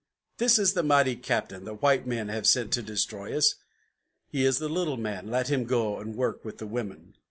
This is the mighty Captain the white men have sent to destroy us! He is a little man; let him go and work with the women!"